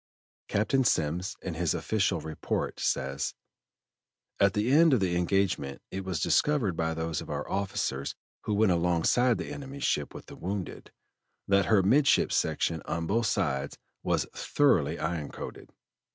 Captain Semmes, in his official report, says: "At the end of the engagement it was discovered by those of our officers who went alongside the enemy's ship with the wounded, that her midship section on both sides was thoroughly iron coated.